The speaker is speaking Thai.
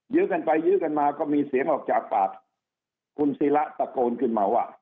ยื้อกันไปยื้อกันมาก็มีเสียงออกจากปากคุณศิระตะโกนขึ้นมาว่า